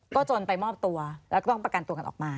ก็จนไปมอบตัวแล้วก็ต้องประกันตัวกันออกมา